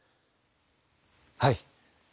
はい。